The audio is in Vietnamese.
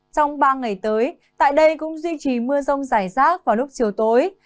trong ba ngày tới tại đây cũng duy trì mưa rông rải rác vào lúc chiều tối